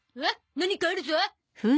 何かあるゾ。